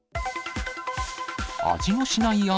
味のしない？